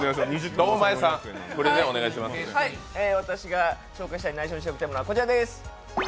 私が紹介したい内緒にしておきたいもの、こちらです。